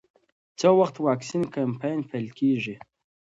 څه وخت واکسین کمپاین پیل کېږي؟